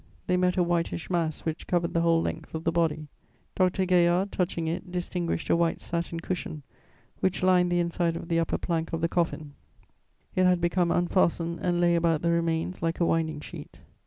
They met a whitish mass which covered the whole length of the body. Dr. Gaillard, touching it, distinguished a white satin cushion which lined the inside of the upper plank of the coffin: it had become unfastened and lay about the remains like a winding sheet....